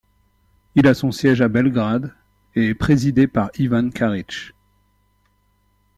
Il a son siège à Belgrade et est présidé par Ivan Karić.